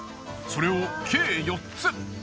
それを計４つ。